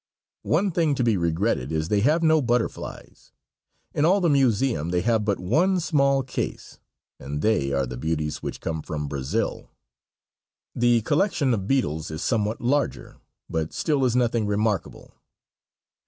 One thing to be regretted is they have no butterflies. In all the museum they have but one small case, and they are the beauties which come from Brazil. The collection of beetles is somewhat larger, but still is nothing remarkable.